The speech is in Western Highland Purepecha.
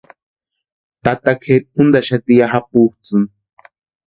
Tata kʼeri úntaxati ya japutsʼïni.